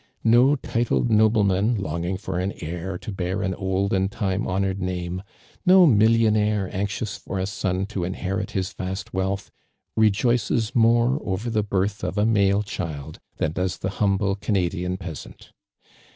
No titled nobleman longing for an heir to bear an old and time honored name ; no viiltionaire, anxious for a son to inherit his vast wealth, rejoices more over the birth of a male child, tlian does the humble Canadian peasant.